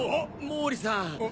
毛利さん。